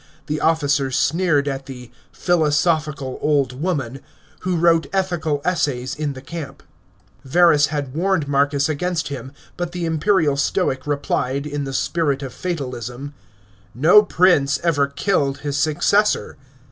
The officers sneered at the "philosophical old woman" who wrote ethical essays in the camp. Verus had warned Marcus against him, but the imperial Stoic replied, in the spirit of fatalism : 175 176 A.I). REVOLT OF CASSIUS. 047 " No prince ever killed his successor."